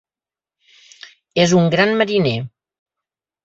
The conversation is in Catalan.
És un gran mariner.